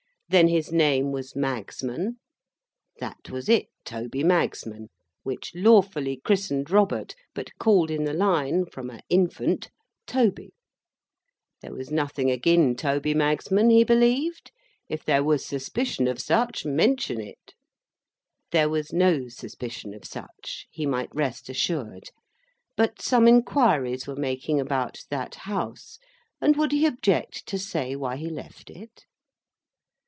Then his name was Magsman? That was it, Toby Magsman—which lawfully christened Robert; but called in the line, from a infant, Toby. There was nothing agin Toby Magsman, he believed? If there was suspicion of such—mention it! There was no suspicion of such, he might rest assured. But, some inquiries were making about that House, and would he object to say why he left it?